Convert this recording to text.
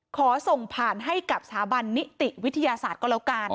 ขอส่งผ่านให้กับสถาบันนิติวิทยาศาสตร์ก็แล้วกัน